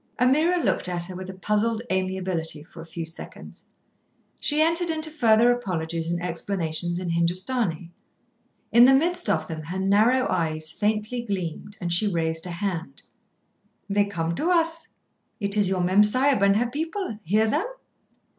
Ameerah looked at her with a puzzled amiability for a few seconds. She entered into further apologies and explanations in Hindustani. In the midst of them her narrow eyes faintly gleamed, and she raised a hand. "They come to us. It is your Mem Sahib and her people. Hear them."